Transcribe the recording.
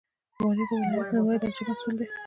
والی د ولایت لومړی درجه مسوول دی